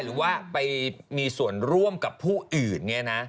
หรือว่าไปมีส่วนร่วมกับผู้อื่น